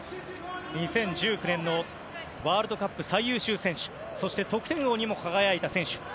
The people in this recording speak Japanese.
２０１９年のワールドカップ最優秀選手そして得点王にも輝いた選手。